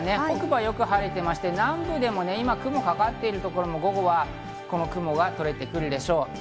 北部はよく晴れていて南部でも今、雲がかかっているところも午後はこの雲がとれてくるでしょう。